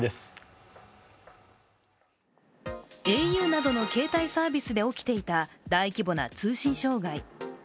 ａｕなどの携帯サービスで起きていた、大規模な通信障害。